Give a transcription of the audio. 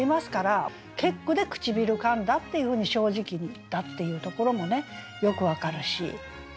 結句で「唇噛んだ」っていうふうに正直に言ったっていうところもねよく分かるし。